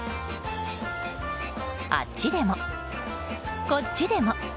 あっちでも、こっちでも。